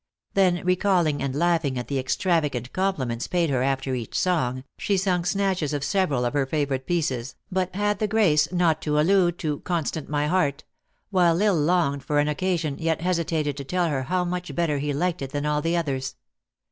Then recalling and laughing at the extravagant compliments paid her after each song, she sung snatches of several of her favorite pieces, but had the grace not to allude to 4 Constant my Heart ; while L Isle longed for an oc casion, yet hesitated to tell her how much better he liked it than all the others.